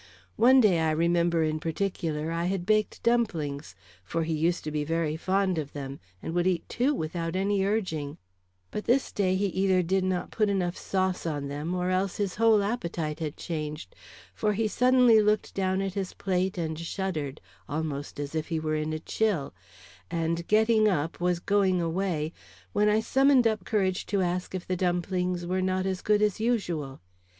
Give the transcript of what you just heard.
One day, I remember in particular, I had baked dumplings, for he used to be very fond of them, and would eat two without any urging; but this day he either did not put enough sauce on them, or else his whole appetite had changed; for he suddenly looked down at his plate and shuddered, almost as if he were in a chill, and, getting up, was going away, when I summoned up courage to ask if the dumplings were not as good as usual.